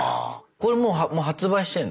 これもう発売してんの？